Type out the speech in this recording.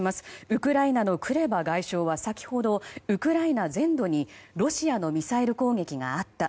ウクライナのクレバ外相は先ほど、ウクライナ全土にロシアのミサイル攻撃があった。